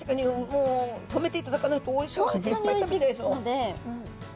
もう止めていただかないとおいしくていっぱい食べちゃいそう。